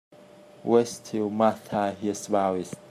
Wait till Martha hears about this.